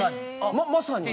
まさに。